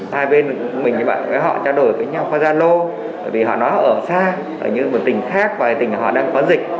hai bên mình với họ trao đổi với nhau qua gia lô bởi vì họ ở xa ở những tỉnh khác và tỉnh họ đang có dịch